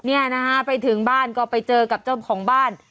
เนี่ยนะฮะไปถึงบ้านก็ไปเจอกับเจ้าของบ้าน